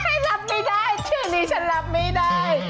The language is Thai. อาแอลักษมณาชื่อนี้ฉันหลับไม่ได้